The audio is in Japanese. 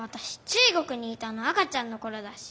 中国にいたの赤ちゃんのころだし。